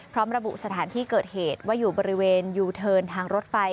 ระบุสถานที่เกิดเหตุว่าอยู่บริเวณยูเทิร์นทางรถไฟ